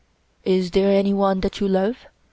" Is there anyone that you love ?